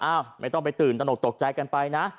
ไม่ต้องไปตื่นตนกตกใจกันไปนะ